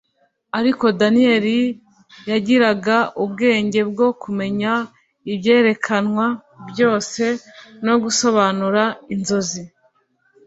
ariko Daniyeli yagiraga ubwenge bwo kumenya ibyerekanwa byose no gusobanura inzozi